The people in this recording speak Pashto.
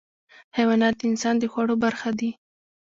حیوانات د انسان د خوړو برخه دي.